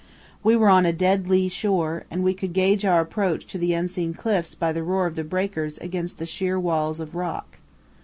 We were on a dead lee shore, and we could gauge our approach to the unseen cliffs by the roar of the breakers against the sheer walls of rock.